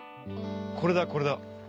これだこれだ。